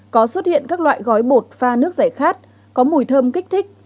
có xuất hiện các loại gói bột pha nước giải khát có mùi thơm kích thích